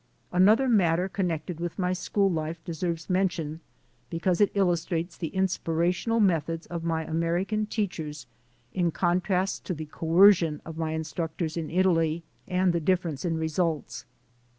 Another matter connected with my school life de serves mention because it illustrates the inspira tional methods of my American teachers in contrast to the coercion of my instructors in Italy, and the difference in results.